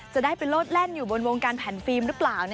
จะได้ไปโลดแล่นอยู่บนวงการแผ่นฟิล์มหรือเปล่า